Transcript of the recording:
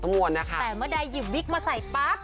แต่เมื่อได้หยิบวิกมาใส่ปั๊ก